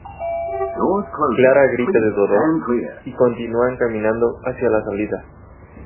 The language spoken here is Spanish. Clara grita de dolor y continúan caminando hacia la salida.